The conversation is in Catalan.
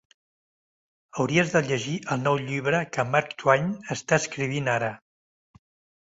Hauries de llegir el nou llibre que Mark Twain està escrivint ara.